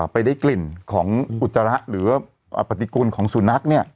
ไปได้กลิ่นของอุจจาระหรือว่าปฏิกูลของสุนัข